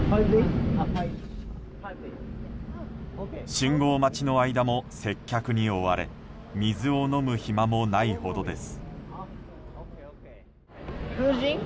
信号待ちの間も接客に追われ水を飲む暇もないほどです。